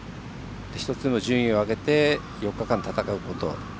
１つでも順位を上げて４日間、戦うこと。